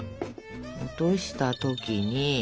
落とした時に。